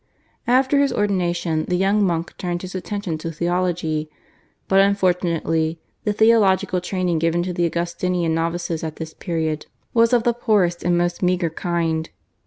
After his ordination the young monk turned his attention to theology, but, unfortunately, the theological training given to the Augustinian novices at this period was of the poorest and most meagre kind.